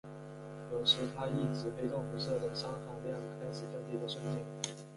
有时它亦指黑洞辐射的熵含量开始降低的瞬间。